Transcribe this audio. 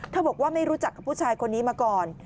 บอกว่าไม่รู้จักกับผู้ชายคนนี้มาก่อน